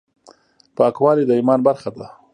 پاکوالي د ايمان برخه ده.